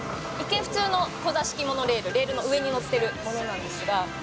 「一見普通の跨座式モノレールレールの上に載ってるものなんですが」